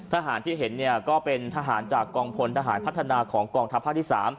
ทหารที่เห็นก็เป็นทหารจากกองพลทหารพัฒนาของกองทัพภาคที่๓